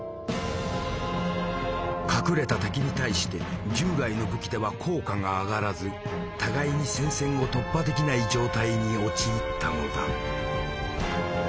隠れた敵に対して従来の武器では効果が上がらず互いに戦線を突破できない状態に陥ったのだ。